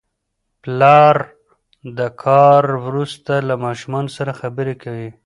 پلر د کار وروسته له ماشومانو سره خبرې کوي